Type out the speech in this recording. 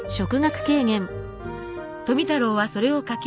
富太郎はそれを描き